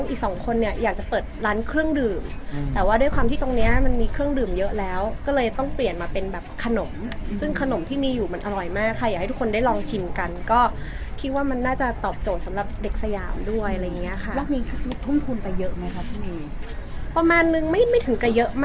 อีกสองคนเนี่ยอยากจะเปิดร้านเครื่องดื่มแต่ว่าด้วยความที่ตรงเนี้ยมันมีเครื่องดื่มเยอะแล้วก็เลยต้องเปลี่ยนมาเป็นแบบขนมซึ่งขนมที่มีอยู่มันอร่อยมากค่ะอยากให้ทุกคนได้ลองชิมกันก็คิดว่ามันน่าจะตอบโจทย์สำหรับเด็กสยามด้วยอะไรอย่างเงี้ยค่ะแล้วมีทุ่มทุนไปเยอะไหมครับพี่เมย์ประมาณนึงไม่ไม่ถึงกับเยอะมาก